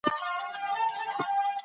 خلک د نوي نظام هيله لرله.